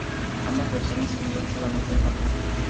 Ambas versiones salieron solamente en Japón.